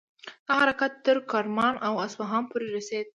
دا حرکت تر کرمان او اصفهان پورې ورسید.